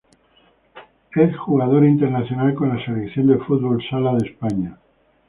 Es jugador internacional con la Selección de fútbol sala de España.